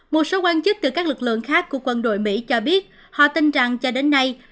một số quan chức từ các lực lượng khác của quân đội mỹ cho biết họ tin rằng cho đến nay